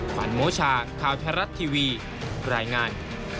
ขวัญโมชาข่าวไทยรัฐทีวีรายงาน